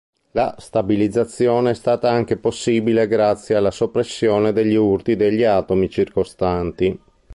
La stabilizzazione è stata anche possibile grazie alla soppressione degli urti degli atomi circostanti.